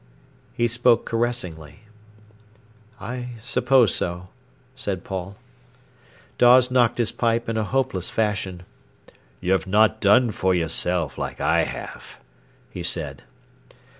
He spoke caressingly. "I suppose so," said Paul. Dawes knocked his pipe in a hopeless fashion. "You've not done for yourself like I have," he said.